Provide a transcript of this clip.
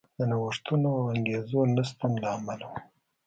د نوښتونو او انګېزو نشتون له امله و.